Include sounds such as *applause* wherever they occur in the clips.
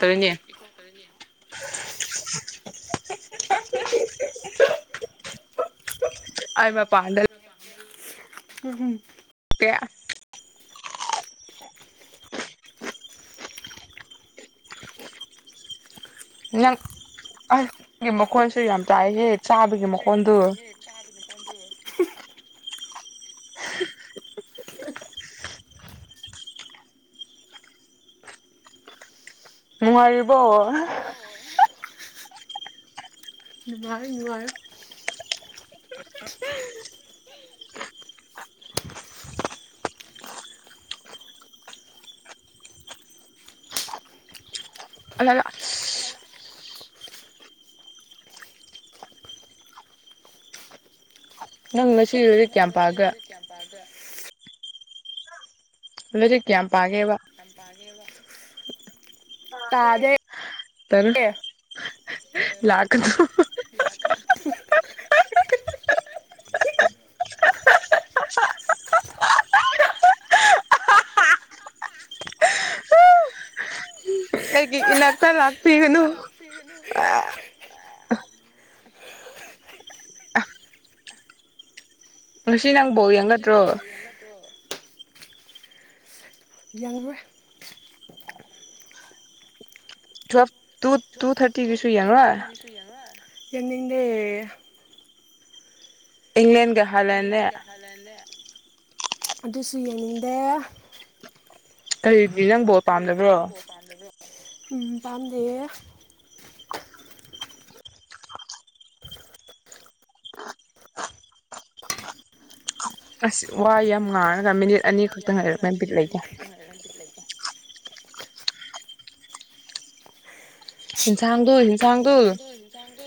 ꯇꯣꯏꯅꯦ *inaudible* ꯑꯩ ꯃꯄꯥꯟꯗ *unintelligible* *unintelligible* ꯅꯪ ꯅꯪꯒꯤ ꯃꯈꯣꯟꯁꯨ ꯌꯥꯝ ꯇꯥꯏꯍꯦ ꯆꯥꯕꯒꯤ ꯃꯈꯣꯟꯁꯨ ꯌꯥꯝ ꯃꯈꯣꯟꯗꯨ ꯇꯥꯏꯍꯦ ꯆꯥꯕꯩ ꯃꯈꯣꯟꯗꯨ *inaudible* *unintelligible* ꯅꯨꯡꯉꯥꯏꯔꯤꯕ ꯅꯨꯡꯉꯥꯏꯔꯤꯕ‌ꯣ *unintelligible* ꯅꯨꯡꯉꯥꯏ ꯅꯨꯡꯉꯥꯏ *unintelligible* *unintelligible* ꯅꯪ ꯉꯁꯤ ꯂꯩꯔꯤꯛ ꯀꯌꯥꯝ ꯄꯥꯒ‌ꯦ ꯀꯌꯥꯝ ꯄꯥꯒ‌ꯦ ꯂꯥꯏꯔꯤꯛ ꯀꯌꯥꯝ ꯄꯥꯒꯦꯕ *unintelligible* ꯄꯥꯗꯦ ꯇꯜ *unintelligible* ꯂꯥꯛꯀꯅ‌ꯣ *unintelligible* ꯑꯩꯒꯤ ꯏꯅꯥꯛꯇ ꯂꯥꯛꯄꯤꯒꯅꯨ *unintelligible* ꯉꯁꯤ ꯅꯪ ꯕ‌ꯣꯜ ꯌꯦꯡꯒꯗ꯭ꯔꯣ ꯌ‌ꯦꯡꯒꯗ꯭ꯔ‌ꯣ *unintelligible* ꯌ‌ꯥꯡꯔ‌ꯣꯏ ꯇꯨꯋꯦꯜꯞ ꯇꯨ ꯇꯨꯊꯥꯔꯇꯤꯗꯨꯁꯨ ꯌꯦꯡꯔ‌ꯣꯏ *unintelligible* ꯌꯦꯡꯅꯤꯡꯗꯦ ꯏꯪꯂꯦꯟꯒ ꯍꯂꯦꯟꯅ‌ꯦ ꯑꯗꯨꯁꯨ ꯌꯦꯡꯅꯤꯡꯗꯦ ꯀꯔꯤꯕꯤ ꯅꯪ ꯕꯣꯜ ꯀꯔꯤꯒꯤ ꯄꯥꯝꯗꯕ꯭ꯔꯣ ꯅ‌ꯪꯕ‌ꯣ ꯄꯥꯝꯗꯕ꯭ꯔ‌ꯣ ꯎꯝ ꯄꯥꯝꯗꯦꯌ‌ꯦ ꯑꯁ ꯋꯥꯏ ꯌꯥꯝ ꯉꯥꯡꯉ‌ꯗ ꯃꯤꯅꯤꯠ ꯑꯅꯤ ꯈꯛꯇ ꯉꯥꯏꯔꯝꯃꯦ *unintelligible* ꯕꯤꯠ ꯃꯤꯅꯤꯠ ꯑꯅꯤ ꯂꯩꯇꯦ ꯈꯛꯇ ꯉꯥꯏꯔ‌ꯦ ꯕꯤꯠ ꯂꯩꯇ‌ꯦ *unintelligible* ꯏꯟꯁꯥꯡꯗꯣ ꯏ ꯏꯟꯁꯥꯡꯗꯣ ꯏꯟꯁꯥꯡꯗꯣ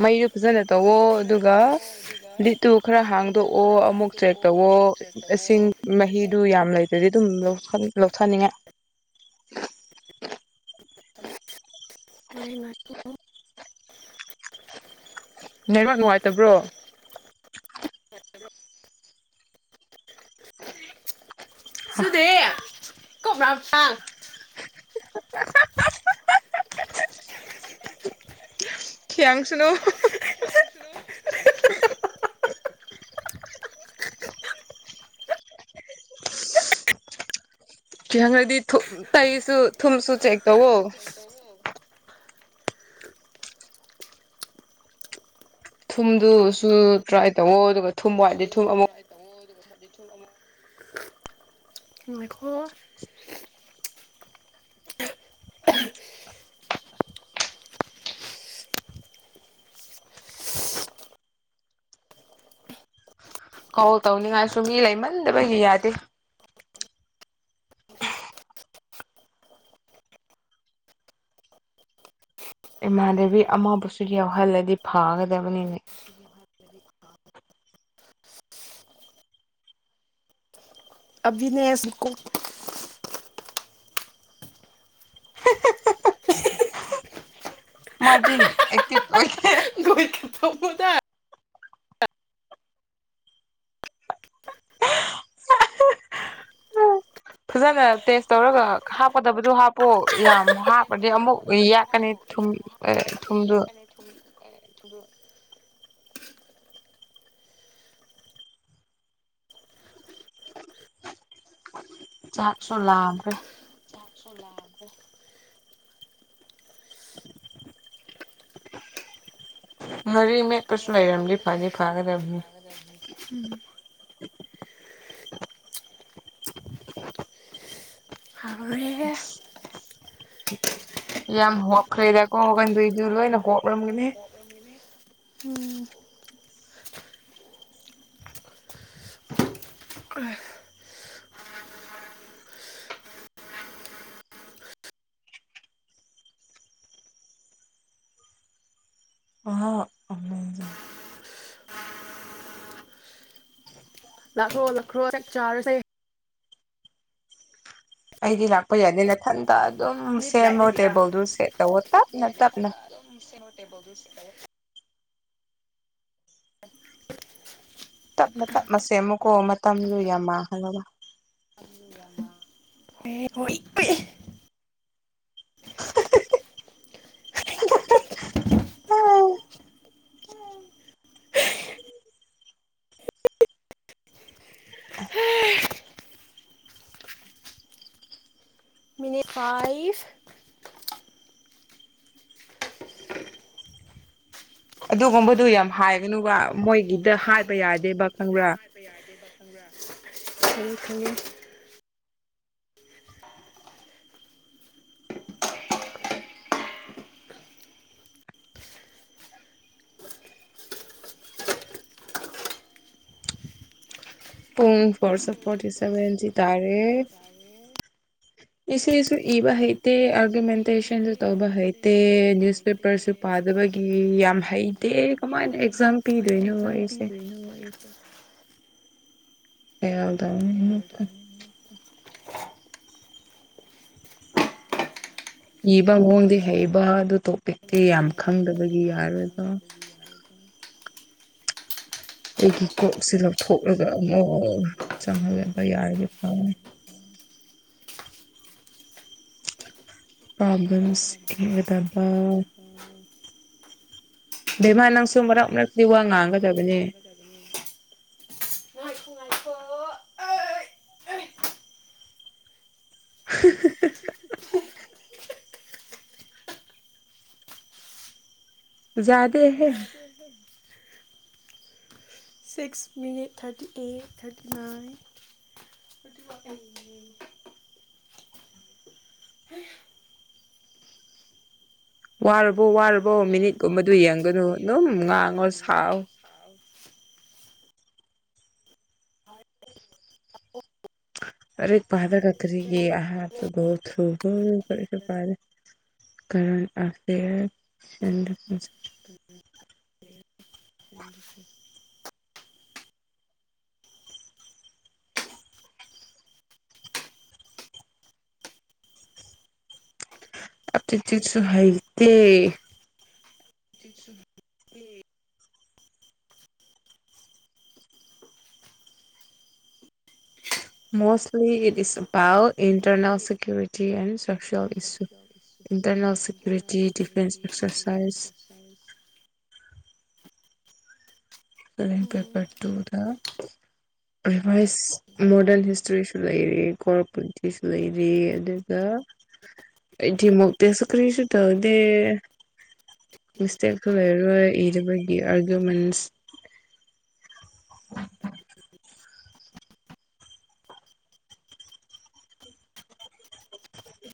ꯇꯧꯋꯣ ꯃꯩꯗꯨ ꯊꯤꯜꯂꯒ ꯑꯗꯨꯒ ꯇꯧꯋ‌ꯣ ꯑꯗꯨꯒ ꯂꯤꯠꯇꯨ ꯈꯔ ꯍꯥꯡꯗꯣꯛꯑꯣ ꯑꯃꯨꯛ ꯆꯦꯛ ꯇꯧꯑꯣ ꯏꯁꯤꯡ ꯃꯍꯤꯗꯨ ꯌꯥꯝ ꯂꯩꯇ ꯑꯗꯗꯤꯗꯨꯝ ꯂꯧꯊꯅꯤꯡꯉꯥꯏ *unintelligible* ꯅꯦꯠꯋꯥꯛ ꯅꯨꯡꯉꯥꯏꯇꯕ꯭ꯔꯣ *unintelligible* ꯈꯤꯌꯥꯡꯁꯨꯅꯣ *unintelligible* ꯊꯨꯝꯁꯨ ꯆꯦꯛ ꯇꯧꯋꯣ ꯊꯨꯝꯗꯨꯁꯨ ꯇ꯭ꯔꯥꯏ ꯇꯧꯋꯣ ꯑꯗꯨꯒ ꯊꯨꯝ ꯋꯥꯠꯂꯤ ꯊꯨꯝ ꯑꯃꯨꯛ *unintelligible* ꯉꯥꯏꯈꯣ ꯀꯣꯜ ꯇꯧꯅꯤꯡꯉꯥꯏꯁꯨ ꯃꯤ ꯂꯩꯃꯟꯗꯕꯒꯤ ꯌꯥꯗꯦ ꯏꯃꯥꯟꯗꯕꯤ ꯑꯃꯕꯨꯁꯨ ꯌꯥꯎꯍꯜꯂꯗꯤ ꯐꯥꯒꯗꯕꯅꯤꯅꯦ *unintelligible* ꯑꯚꯤꯅꯦꯁꯀꯣ *inaudible* ꯃꯥꯗꯤ ꯑꯦꯛꯇꯤꯞ ꯑꯣꯏꯌꯦ ꯂꯣꯏꯈꯠꯇꯧꯕꯗ ꯑ ꯐꯖꯅ ꯇꯦꯁ ꯇꯧꯔꯒ ꯍꯥꯞꯀꯗꯕꯗꯨꯣ ꯍꯥꯞꯄꯣ ꯌꯥꯝ ꯍꯥꯞꯄꯗꯤ ꯑꯃꯨꯛ ꯌꯥꯛ ꯑꯅꯦ ꯊꯨꯝ ꯑꯦ ꯊꯨꯝꯗꯨ *unintelligible* *unintelligible* ꯆꯥꯛꯁꯨ ꯂꯥꯝꯃꯦ *unintelligible* ꯃꯔꯦꯛ ꯃꯦꯠꯄꯁꯨ ꯂꯩꯏꯔꯝꯗꯦ *unintelligible* ꯎꯝ *inaudible* ꯍꯥꯎꯔꯦꯍꯦ *unintelligible* ꯎꯝ ꯑ ꯂꯥꯛꯈ꯭ꯔꯣ ꯂꯥꯛꯈ꯭ꯔꯣ ꯆꯥꯛ ꯆꯥꯔꯁꯦ ꯑꯩꯗꯤ ꯂꯥꯛꯄ ꯌꯥꯅꯤꯦ ꯃꯊꯟꯇ ꯑꯗꯨꯝ ꯁꯦꯝꯃꯣ ꯇꯦꯕꯜꯗꯨ ꯁꯦꯠ ꯇꯧꯋꯣ ꯇꯞꯅ ꯇꯞꯅ *unintelligible* *inaudible* ꯇꯞꯅ ꯇꯞꯅ ꯁꯦꯝꯃꯨꯀꯣ ꯃꯇꯝꯗꯨ ꯌꯥꯝ ꯃꯥꯡꯍꯟꯒꯅꯨ *inaudible* ꯍꯣꯏ ꯃꯤꯅꯤꯠ ꯐꯥꯏꯚ ꯑꯗꯨꯒꯨꯝꯕꯗꯨ ꯌꯥꯝ ꯍꯥꯏꯒꯅꯨꯕ ꯃꯣꯏꯒꯤꯗ ꯍꯥꯏꯕ ꯌꯥꯗꯦꯕ ꯈꯪꯕ꯭ꯔꯥ ꯆꯠꯄ ꯌꯥꯗꯦꯕ ꯈꯪꯕ꯭ꯔꯥ ꯈꯪ ꯈꯪꯉꯤ ꯇꯨꯡ ꯐꯔꯁꯐ ꯐꯣꯔꯇꯤ ꯁꯦꯚꯦꯟꯁꯤ ꯇꯔꯦ ꯏꯁꯁꯨ ꯏꯁꯁꯨ ꯏꯕ ꯍꯩꯇꯦ ꯑꯔꯒꯨꯃꯦꯟ ꯏ ꯍꯤꯗꯤ ꯑꯒꯇꯦꯁꯟ ꯀꯗꯦ ꯅ꯭ꯌꯨꯁꯄꯦꯄꯔꯁꯨ ꯅ꯭ꯌꯁ ꯄꯥꯗꯕꯒꯤ ꯄꯦꯄꯔꯁ ꯌꯥꯝ ꯄꯗꯕ ꯍꯩꯇꯦ ꯅ ꯀꯃꯥꯏꯅ ꯑꯦꯛꯖꯥꯝ ꯍꯩꯗꯦ ꯄꯤꯗꯣꯏꯅꯣ ꯑꯩꯁꯦ *unintelligible* *unintelligible* ꯑꯦꯌꯔ ꯑꯃꯨꯛꯀ ꯏꯕ ꯃꯑꯣꯡꯗꯤ ꯍꯩꯕ ꯑꯗꯨ ꯇꯣꯄꯤꯛꯇꯤ ꯌꯥꯝ ꯈꯪꯗꯕꯒꯤ ꯌꯥꯔꯣꯏꯕ *unintelligible* ꯑꯩꯒꯤ ꯀꯣꯛꯁꯦ ꯂꯧꯊꯣꯛꯂꯒ ꯑꯃꯨꯛ ꯆꯪꯍꯜꯂꯕ ꯌꯥꯔꯒꯦ ꯐꯥꯎ *unintelligible* ꯒꯗꯕ ꯎꯝ ꯕꯦꯝꯃꯥ ꯅꯪꯁꯨ ꯃꯔꯛ ꯃꯔꯛꯇ ꯋꯥ ꯉꯥꯡꯒꯗꯕꯅꯦ *unintelligible* ꯉꯥꯏꯈꯣ ꯉꯥꯏꯈꯣ *unintelligible* *unintelligible* ꯖꯥꯠ *inaudible* *inaudible* six minute thirty eight thirty nine *inaudible* ꯋꯥꯔꯕꯣ ꯋꯥꯔꯕꯣ ꯃꯤꯅꯤꯠꯀꯨꯝꯕꯗꯨ ꯌꯦꯡꯒꯅꯨ ꯑꯗꯨꯝ ꯉꯥꯡꯉꯣ ꯁꯥꯥꯎ ꯑꯥꯎ ꯂꯥꯏꯔꯤꯛ ꯄꯥꯗꯔꯥꯒ ꯀꯔꯤꯒꯤ *unintelligible* *unintelligible* *unintelligible* *unintelligible* ꯑꯇꯩ ꯇꯩꯁꯨ ꯍꯩꯇꯦ *inaudible* ꯃꯣꯁꯂꯤ it is about internal security and ꯐ꯭ꯔꯛꯆꯣꯏꯜ ꯏꯁꯨ ꯟꯇꯔꯅꯦꯜ ꯁꯦꯀ꯭ꯌꯨꯔꯤꯇꯤ ꯗꯤꯐꯦꯟꯁ ꯑꯦꯛꯁꯔꯁꯥꯏꯁ *inaudible* ꯕꯂꯦꯡ ꯎꯝ ꯄꯦꯄꯔ ꯇꯨ ꯗꯥ ꯚꯥꯏꯁ ꯃꯣꯗꯔꯟ ꯍꯤꯁꯇ꯭ꯔꯤꯁꯨ ꯂꯩꯔꯤ ꯀꯣꯔ *unintelligible* ꯂꯩꯔꯤ ꯑꯗꯨꯒ ꯑꯩꯗꯤ ꯃꯣꯛ ꯇꯦꯁꯁꯨ ꯀꯔꯤꯁꯨ ꯇꯧꯗꯦ ꯃꯤꯁꯇꯦꯛꯁꯨ ꯂꯩꯔꯔꯣꯏ ꯏꯗꯕꯒꯤ ꯑꯥꯔꯒꯌꯨꯃꯦꯟꯁ *inaudible*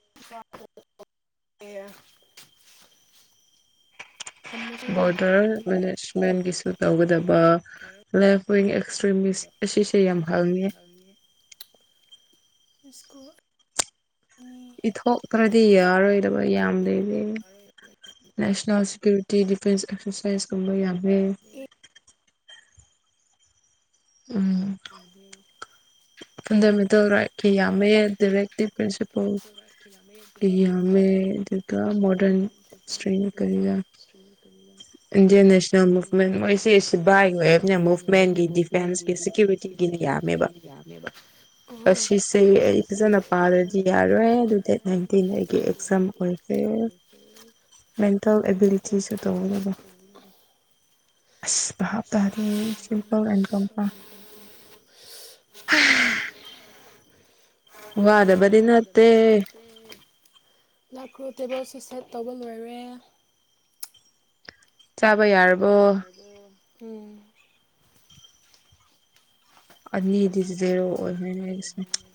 *unintelligible* ꯊꯝꯃꯥꯁꯤꯔꯣ ꯇꯔꯟ ꯃꯦꯅꯦꯖꯃꯦꯟꯒꯤꯁꯨ ꯇꯧꯒꯗꯕ ꯂꯥꯏꯐ ꯋꯤꯡ ꯑꯦꯛꯁꯇ꯭ꯔꯤꯃꯤꯁ ꯑꯁꯤꯁꯦ ꯌꯥꯝ ꯍꯪꯉꯦ *unintelligible* ꯑꯅꯤ ꯏꯊꯣꯛꯇ꯭ꯔꯗꯤ ꯌꯥꯔꯣꯏꯗꯕ ꯌꯥꯝ ꯂꯩꯔꯦꯅꯦ ꯅꯦꯁꯅꯦꯜ ꯁꯤꯀ꯭ꯌꯨꯔꯤꯇꯤ ꯗꯤꯐꯦꯟꯁ ꯑꯦꯛꯁꯔꯁꯥꯏꯁ ꯀꯨꯝꯕ ꯌꯥꯝꯃꯦ ꯑꯦ ꯎꯝ ꯌꯥꯗꯦ ꯐꯟꯗꯥꯃꯦꯟꯇꯦꯜ ꯔꯥꯏꯠꯀꯤ ꯌꯥꯝꯃꯦ ꯗꯤꯔꯦꯛꯇꯤꯚ ꯄ꯭ꯔꯤꯟꯁꯤꯄꯜ ꯒꯤ ꯌꯥꯝꯃꯦ ꯑꯗꯨꯒ ꯃꯣꯗꯔꯟ ꯁꯇ꯭ꯔꯦꯅꯤ ꯀꯔꯤꯔꯥ *unintelligible* ꯏꯟꯗꯤꯌꯥꯟ ꯃꯨꯚꯃꯦꯟ ꯅꯦꯁꯅꯦꯜ ꯃꯣꯏꯁꯦ ꯃꯨꯞꯃꯦꯟ ꯁꯤꯕꯥꯏ ꯑꯣꯏꯕꯅꯤꯅ ꯃꯨꯚꯃꯦꯟꯒꯤ *unintelligible* ꯃꯨꯞꯃꯦꯟꯒꯤ ꯗꯤꯐꯦꯟꯁꯀꯤ ꯗꯤꯐꯦꯟꯁꯀꯤ ꯁꯦꯀ꯭ꯌꯨꯔꯤꯇꯤꯒꯤꯅ ꯁꯦꯀ꯭ꯌꯨꯔꯤꯇꯤꯒꯤ ꯌꯥꯝꯃꯦꯕ ꯌꯥꯝꯃꯦꯕ ꯑꯣ ꯑꯁꯤꯁꯦ ꯑꯩ ꯑꯁꯤꯁꯦ ꯐꯖꯅ ꯄꯥꯗ꯭ꯔꯗꯤ ꯌꯥꯔꯣꯏ ꯄꯥꯔꯗꯤ ꯑꯗꯨ ꯗꯦꯠ ꯌꯥꯔꯦ ꯅꯥꯏꯟꯇꯤꯟ ꯑꯩꯒꯤ ꯑꯦꯛꯖꯥꯝ ꯑꯣꯏꯈ꯭ꯔꯦ *unintelligible* ꯇꯧꯅꯕ ꯑꯁ ꯚꯥꯍꯞ ꯇꯥꯗꯦ ꯁꯤꯝꯄꯜ ꯑꯦꯟ ꯀꯝꯄꯥꯎꯟ ꯋꯥꯗꯕ ꯋꯥꯗꯕꯗꯤ ꯅꯠꯇꯔꯦ ꯂꯥꯛꯈ꯭ꯔꯣ ꯇꯦꯕꯜꯁꯦ ꯁꯦꯠ ꯇꯧꯕ ꯂꯣꯏꯔꯦ ꯆꯥꯕ ꯌꯥꯔ ꯆꯥꯕ ꯌꯥꯔꯕꯣ ꯎꯝ ꯑꯅꯤ ꯑꯅꯤꯗꯨꯕꯨꯗꯤ *unintelligible*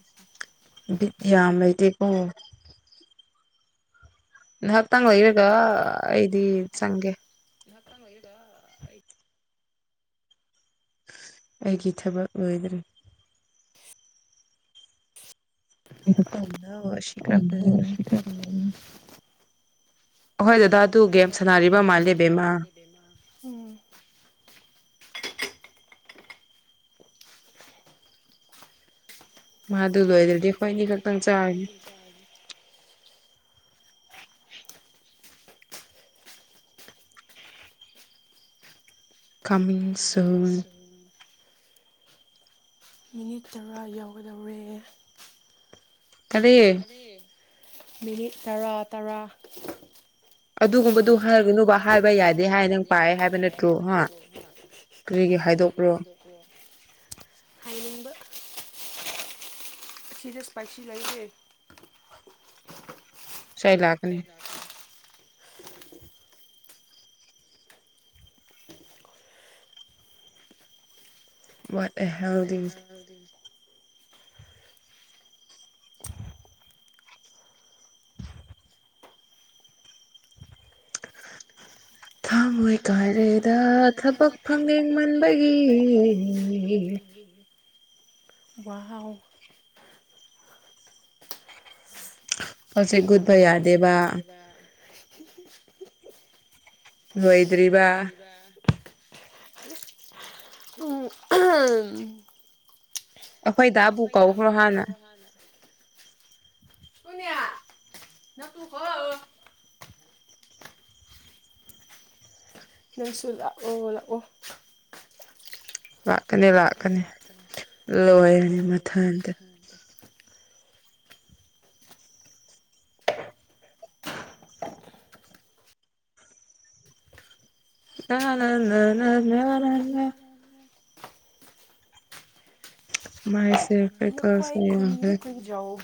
ꯕꯤꯠ ꯌꯥꯝ ꯂꯩꯇꯦꯀꯣ ꯅꯥꯍꯥꯛꯇꯪ ꯂꯩꯔꯒ ꯑꯩꯗꯤ ꯆꯪꯒꯦ ꯉꯍꯥꯇꯪ ꯂꯩꯔꯒꯥ ꯑꯩ ꯑꯩꯒꯤ ꯊꯕꯛ ꯑꯣꯏꯗ꯭ꯔꯦ *unintelligible* *unintelligible* ꯑꯍꯣꯏ ꯗꯗꯥ ꯇꯨ ꯒꯦꯝ ꯁꯥꯟꯅꯔꯤꯕ ꯃꯥꯜꯂꯦꯕꯦꯝꯃ ꯕꯦꯝꯃꯥ ꯎꯝ ꯃꯥꯗꯨ ꯂꯣꯏꯗꯗꯤ ꯑꯈꯣꯏꯅꯤ ꯈꯛꯇꯪ ꯆꯥꯔꯥꯅꯤ ꯀꯥꯃꯤꯡ ꯁꯨꯟ ꯃꯤꯅꯤꯠ ꯇꯔꯥ ꯌꯥꯎꯒꯗꯧꯔꯦ ꯀꯔꯤ ꯃꯤꯅꯤꯠ ꯇꯔꯥ ꯇꯔꯥ ꯑꯗꯨꯒꯨꯝꯕꯗꯨ ꯑꯗꯨꯒꯨꯝꯕꯗꯨꯕ ꯍꯥꯏꯔꯒꯅꯨꯕ ꯈꯔ ꯍꯥꯏꯕ ꯍꯥꯏ ꯅꯪ ꯌꯥꯗꯦ ꯄꯥꯏ ꯍꯥꯏꯅ *unintelligible* ꯅꯠꯇ꯭ꯔꯣ ꯍꯥꯏꯕ ꯍꯥ ꯅꯠꯇ꯭ꯔꯦ ꯑꯃ ꯀꯔꯤꯒꯤ ꯍꯥꯏꯗꯣꯛꯄ꯭ꯔꯣ ꯍꯥꯏꯅꯤꯡꯕ ꯁꯤꯗ ꯁꯄꯥꯏꯁꯤ ꯂꯩꯔꯦ *unintelligible* ꯏꯁꯩ ꯂꯥꯛ ꯋꯥꯠ ꯑꯦ ꯍꯦꯜꯗꯤ *unintelligible* ꯊꯥꯃꯣꯏ ꯀꯥꯏꯔꯦꯗ ꯊꯕꯛ ꯐꯪꯅꯤꯡꯃꯟꯕꯒꯤ ꯋꯥꯍꯥꯎ *inaudible* *unintelligible* ꯌꯥꯗꯦꯕ ꯂꯣꯏꯗ꯭ꯔꯤꯕ *unintelligible* ꯑꯩꯈꯣꯏ ꯗꯥꯕꯨ ꯀꯧꯕ꯭ꯔꯣ ꯍꯥꯟꯅ *unintelligible* *unintelligible* ꯅꯪꯁꯨ ꯂꯥꯛꯑꯣ ꯂꯥꯛꯑꯣ ꯂꯥꯛꯀꯅꯤ ꯂꯥꯛꯀꯅꯤ ꯂꯣꯏꯔꯅꯤ ꯃꯊꯟꯇ *unintelligible* *unintelligible* ꯃꯥꯏ ꯁꯦ ꯐꯦꯀꯔꯅ ꯌꯥ ꯌꯥꯎ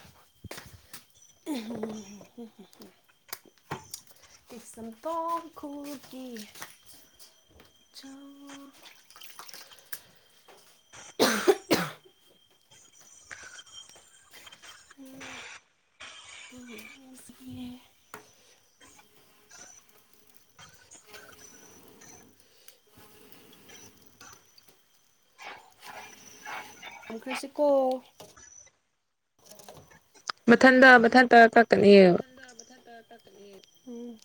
*unintelligible* *unintelligible* ꯈꯨꯜꯒꯦ ꯆꯥꯎꯥ *unintelligible* ꯈꯨꯜꯁꯤꯌꯦ *unintelligible* ꯃꯊꯟꯗ ꯃꯊꯟꯇ ꯀꯛꯀꯅꯤꯕ *unintelligible* ꯎꯝ